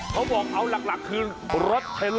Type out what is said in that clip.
เขาบอกเอาหลักคือรถเทลเล